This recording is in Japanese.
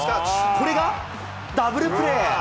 これが、ダブルプレー。